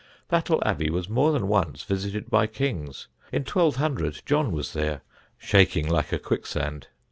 Battle Abbey was more than once visited by kings. In 1200 John was there, shaking like a quicksand.